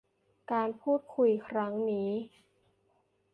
การพูดคุยครั้งนี้